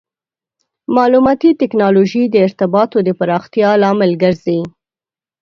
مالوماتي ټکنالوژي د ارتباطاتو د پراختیا لامل ګرځي.